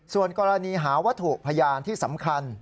ส่วนกรณีหาวัตถุพยานที่สำคัญ